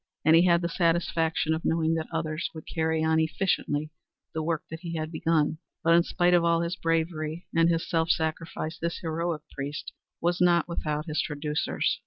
And he had the satisfaction of knowing that others would carry on efficiently the work that he had begun. But in spite of all his bravery and his self sacrifice this heroic priest was not without his traducers.